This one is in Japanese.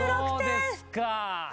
そうですか。